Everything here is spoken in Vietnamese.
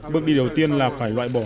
bước đi đầu tiên là phải loại bỏ